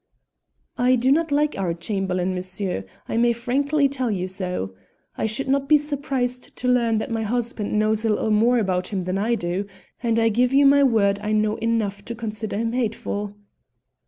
"I do not like our Chamberlain, monsieur; I may frankly tell you so. I should not be surprised to learn that my husband knows a little more about him than I do, and I give you my word I know enough to consider him hateful."